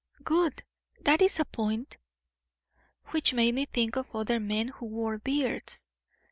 "Good! That is a point." "Which made me think of other men who wore beards."